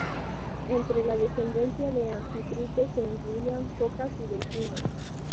Entre la descendencia de Anfítrite se incluían focas y delfines.